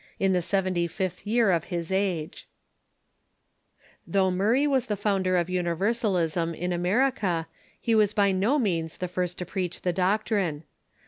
552 THE CHUKCH IX THE UNITED STATES Though Murray was the founder of Universalisra in Amer ica, he was by no means the first to preach the doctrine.